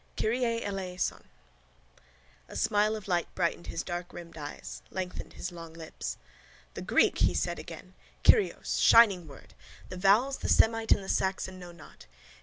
KYRIE ELEISON! A smile of light brightened his darkrimmed eyes, lengthened his long lips. —The Greek! he said again. Kyrios! Shining word! The vowels the Semite and the Saxon know not.